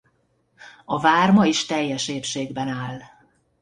A vár ma is teljes épségben áll.